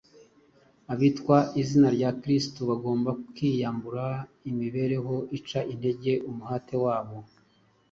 Abitwa izina rya Kristo bagomba kwiyambura imibereho ica intege umuhati wabo,